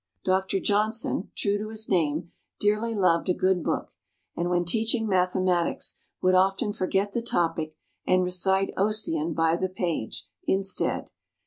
Doctor Johnson, true to his name, dearly loved a good book, and when teaching mathematics would often forget the topic and recite Ossian by the page, instead.